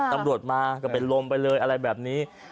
ตำรวจมาก็เป็นลมไปเลยอะไรแบบนี้